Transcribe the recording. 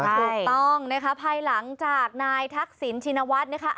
ถูกต้องนะคะภายหลังจากนายทักษิณชินวัฒน์นะคะ